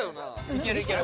いけるいける。